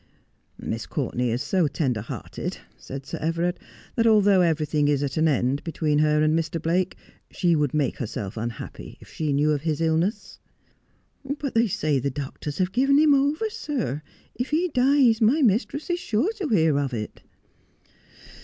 ' Miss Courtenay is so tender hearted,' said Sir Everard, that, although everything is at an end between her and Mr. Blake, she would make herself unhappy if she knew of his illness.' ' But the,y say the doctors have given him over, sir. If he dies my mistress is sure to hear of it.'